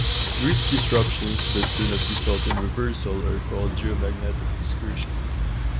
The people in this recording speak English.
Brief disruptions that do not result in reversal are called geomagnetic excursions.